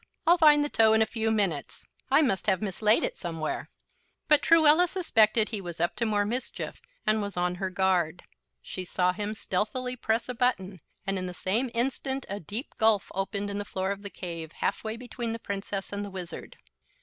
"I'll find the toe in a few minutes. I must have mislaid it somewhere." But Truella suspected he was up to more mischief, and was on her guard. She saw him stealthily press a button, and in the same instant a deep gulf opened in the floor of the cave, half way between the Princess and the Wizard.